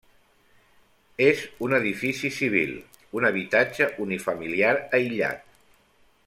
És un edifici civil, un habitatge unifamiliar aïllat.